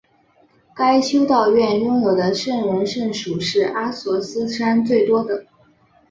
该修道院拥有的圣人圣髑是阿索斯山最多的。